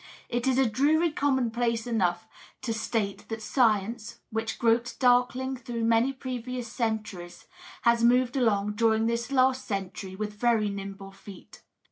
It is a dreary commonplace enough to state that science, which groped darkling through many previous centuries, has moved along during this last century with very nimble feet.